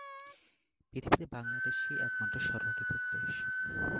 পৃথিবীতে বাংলাদেশই একমাত্র ষড়ঋতুর দেশ।